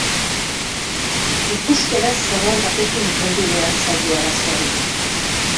Ikuskera zabal batekin heldu behar zaio arazoari.